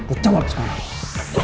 ucap waktu sekarang